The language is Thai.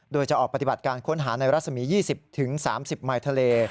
โดยจะออกปฏิบัติการค้นหาในรัศมี๒๐๓๐มายทะเล